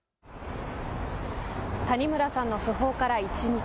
谷村さんの訃報から一日。